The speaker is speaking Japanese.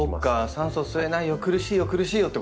酸素が吸えないよ苦しいよ苦しいよってことですよね。